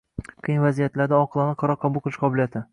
Qiyin vaziyatlarda oqilona qaror qabul qilish qobiliyati.